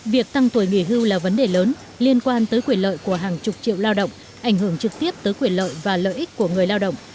việc tăng tuổi nghỉ hưu là vấn đề lớn liên quan tới quyền lợi của hàng chục triệu lao động ảnh hưởng trực tiếp tới quyền lợi và lợi ích của người lao động